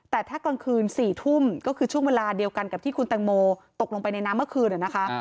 แต่ถ้ากลางคืน๔ทุ่มก็คือช่วงเวลาเดียวกันกับที่คุณแตงโมตกลงไปในน้ำเมื่อคืนนะคะ